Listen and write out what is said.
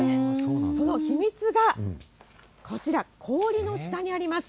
その秘密がこちら、氷の下にあります。